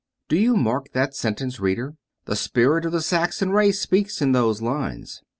Do you mark that sentence, reader? The spirit of the Saxon race speaks in those lines.